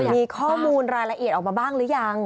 มีข้อมูลรายละเอียดออกมาบ้างหรือยัง